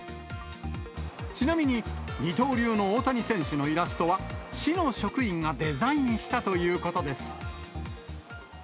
ちなみに二刀流の大谷選手のイラストは、市の職員がデザインしたということです。